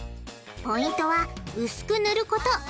ポイントは薄く塗ること。